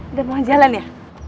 udah mau jalan ya